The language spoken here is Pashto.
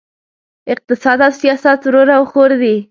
اقتصاد او سیاست ورور او خور دي!